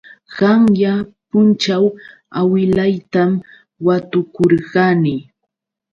Qayna punćhaw awilaytam watukurqani.